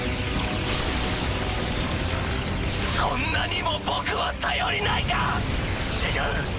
そんなにも僕は頼りないか⁉違う。